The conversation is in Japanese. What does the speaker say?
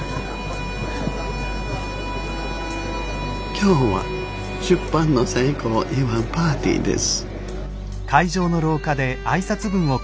今日は出版の成功を祝うパーティーです。